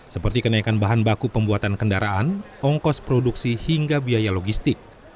seperti kenaikan bahan baku pembuatan kendaraan ongkos produksi hingga biaya logistik